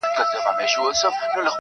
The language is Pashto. په دې سپي کي کمالونه معلومېږي,